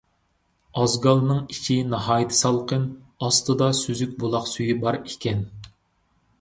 ئازگالنىڭ ئىچى ناھايىتى سالقىن، ئاستىدا سۈزۈك بۇلاق سۈيى بار ئىكەن.